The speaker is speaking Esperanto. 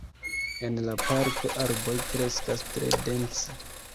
En la parko arboj kreskas tre dense.